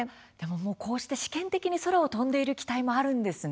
こうして試験的に空を飛んでいる機体もあるんですね。